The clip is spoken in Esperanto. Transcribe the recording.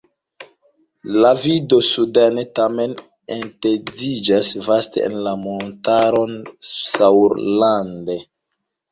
La vido suden tamen etendiĝas vaste en la montaron Sauerland.